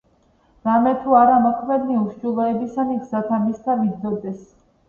რამეთუ არა მოქმედნი უჰსჯულოებისანი გზათა მისთა ვიდოდეს.